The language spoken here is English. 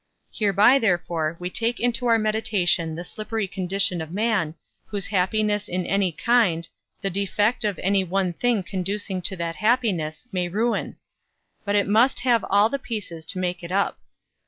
Hereby therefore we take into our meditation the slippery condition of man, whose happiness in any kind, the defect of any one thing conducing to that happiness, may ruin; but it must have all the pieces to make it up.